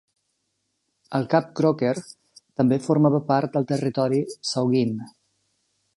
El cap Croker també formava part del territori Saugeen.